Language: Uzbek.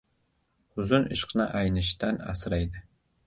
• Huzun ishqni aynishdan asraydi.